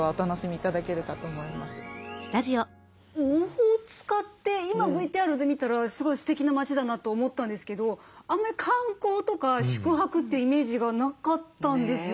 大塚って今ＶＴＲで見たらすごいすてきな街だなと思ったんですけどあんまり観光とか宿泊というイメージがなかったんですよね。